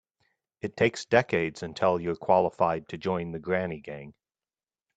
It takes decades until you're qualified to join the granny gang.